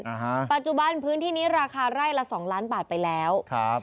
อ่าฮะปัจจุบันพื้นที่นี้ราคาไร่ละสองล้านบาทไปแล้วครับ